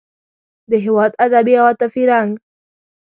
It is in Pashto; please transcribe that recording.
د هېواد ادبي او عاطفي رنګ.